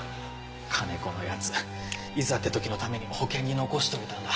金子の奴いざって時のために保険に残しといたんだ。